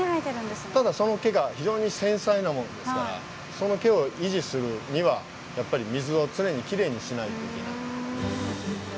ただその毛が非常に繊細なものですからその毛を維持するにはやっぱり水を常にキレイにしないといけない。